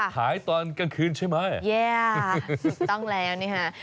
ตอนกลางคืนใช่ไหมแย่ถูกต้องแล้วนี่ค่ะ